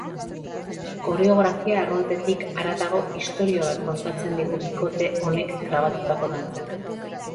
Koreografia arruntetik haratago, istorio bat kontatzen digu bikote honek grabatutako dantzak.